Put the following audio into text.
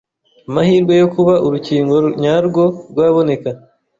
amahirwe yo kuba urukingo nyarwo rwaboneka